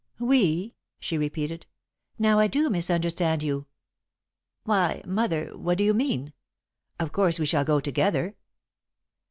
"'We,'" she repeated. "Now I do misunderstand you." "Why, Mother! What do you mean? Of course we shall go together!"